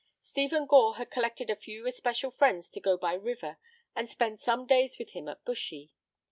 Stephen Gore had collected a few especial friends to go by river and spend some days with him at Bushy.